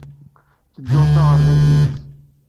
Ttedduɣ s aɣerbaz yid-s.